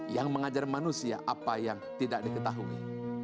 yang mengajar manusia apa yang tidak diketahui